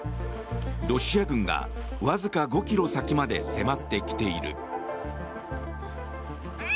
ロシア軍がわずか５ｋｍ先まで迫ってきている。